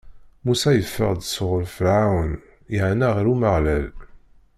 Musa yeffeɣ-d sɣur Ferɛun, iɛenna ɣer Umeɣlal.